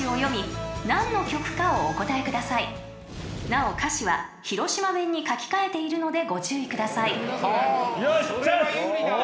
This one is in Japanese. ［なお歌詞は広島弁に書き換えているのでご注意ください］